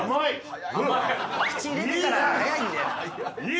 口入れてからが早いんだよな。